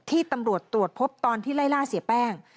ในที่ตำรวจสืบสวนที่ไล่ล่าเสียแป้ง